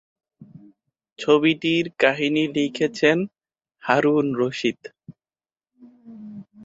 ছবিটির কাহিনী লিখেছেন হারুন রশীদ।